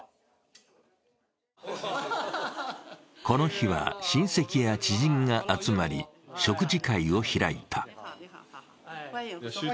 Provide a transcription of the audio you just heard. この日は親戚や知人が集まり食事会を開いた。